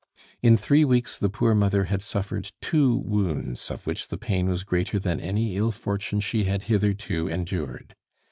In three weeks the poor mother had suffered two wounds of which the pain was greater than any ill fortune she had hitherto endured.